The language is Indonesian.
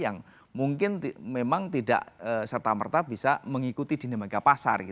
yang mungkin memang tidak serta merta bisa mengikuti dinamika pasar